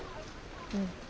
うん。